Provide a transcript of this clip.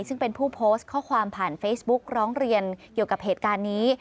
ซึ่งเป็นผู้โพสต์ข้อความผ่านเฟซบุ๊กร้องเรียนเกี่ยวกับเหตุการณ์นี้